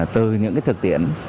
từ những thực tiễn